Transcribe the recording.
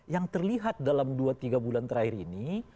yang terlihat dalam dua tiga bulan terakhir ini